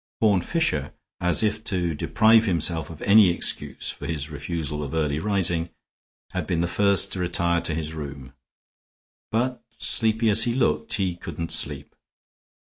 Horne Fisher, as if to deprive himself of any excuse for his refusal of early rising, had been the first to retire to his room; but, sleepy as he looked, he could not sleep.